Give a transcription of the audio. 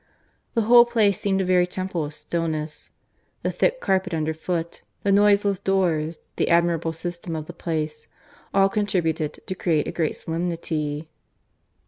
The whole place seemed a very temple of stillness. The thick carpet underfoot, the noiseless doors, the admirable system of the place all contributed to create a great solemnity.